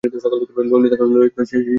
ললিতাকেও সে বড়ো বাজবে।